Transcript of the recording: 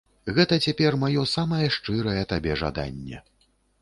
Гэта цяпер маё самае шчырае табе жаданне.